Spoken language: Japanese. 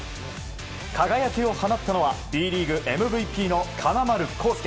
輝きを放ったのはＢリーグＭＶＰの金丸晃輔。